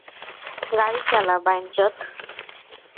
গাড়ি চালা, বাইঞ্চোদ!